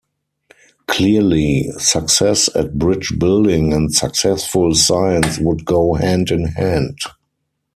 Clearly, success at bridge building and successful science would go hand in hand.